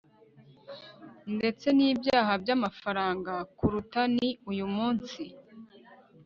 ndetse nibyaha byamafaranga kuruta ni uyu munsi